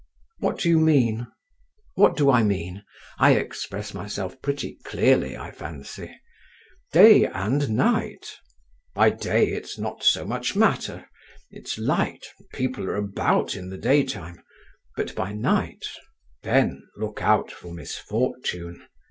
"What do you mean?" "What do I mean? I express myself pretty clearly, I fancy. Day and night. By day it's not so much matter; it's light, and people are about in the daytime; but by night, then look out for misfortune.